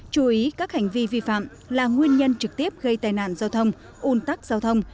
chú ý các hành vi vi phạm là nguyên nhân trực tiếp gây tai nạn giao thông un tắc giao thông